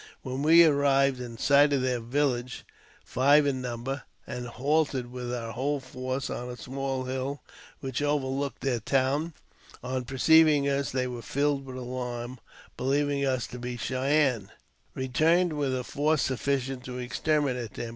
When we arrived in sight of their villages — five in number — and halted with our whole force on a small hill which overlooked their towns, on perceiving us they were filled with alarm, believing us to be the Cheyennes, returned with a force sufficient to exterminate them.